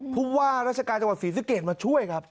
ผู้ว่าราชการจังหวัดศรีสะเกดมาช่วยครับ